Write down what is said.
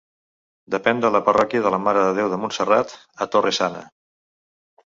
Depèn de la parròquia de la Mare de Déu de Montserrat, a Torre-sana.